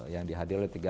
yang dihadir oleh